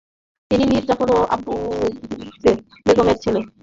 তিনি মীর জাফর ও বাব্বু বেগমের ছেলে।